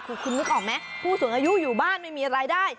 คือคุณนึกออกไหมผู้สูงอายุอยู่บ้านไม่มีรายได้